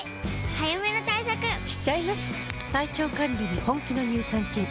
早めの対策しちゃいます。